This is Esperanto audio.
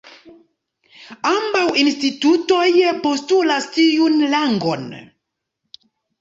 Ambaŭ institutoj postulas tiun rangon.